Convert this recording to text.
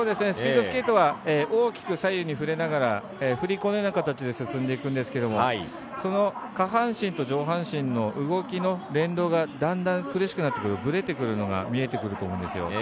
スピードスケートは大きく左右に振れながら振り子のような形で進んでいくんですけどその下半身と上半身の動きの連動がだんだん苦しくなってくるぶれてくるのが見えてくると思うんですよ。